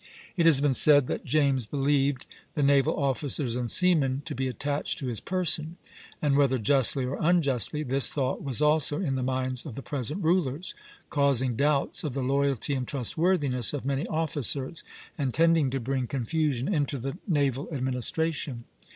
It has been said that James believed the naval officers and seamen to be attached to his person; and, whether justly or unjustly, this thought was also in the minds of the present rulers, causing doubts of the loyalty and trustworthiness of many officers, and tending to bring confusion into the naval administration.